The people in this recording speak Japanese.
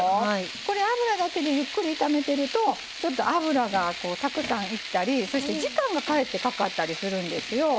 これ油だけでゆっくり炒めてるとちょっと油がたくさん要ったりそして時間がかえってかかったりするんですよ。